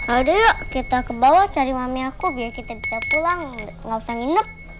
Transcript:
yaudah yuk kita ke bawah cari mami aku biar kita bisa pulang gak usah nginep